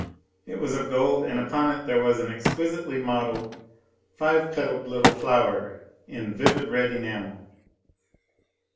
It was of gold, and upon it there was an exquisitely modelled, five petalled little flower in vivid red enamel.